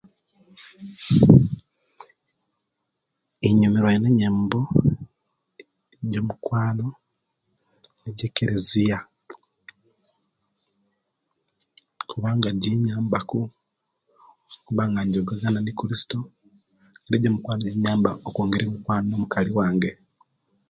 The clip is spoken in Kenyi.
Inyumiruwa ino enyembo ejamukwano nejekereziya kubanga ji nyambaku okuba nga nyungagana ne christo ne je mukwano kiyamba okwongera omukwano nomukali wange